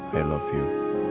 chels saya ketakutan